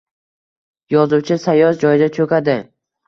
Yozuvchi sayoz joyda cho`kadi